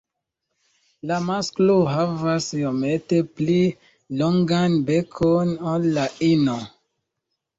La masklo havas iomete pli longan bekon ol la ino.